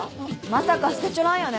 まさか捨てちょらんよね？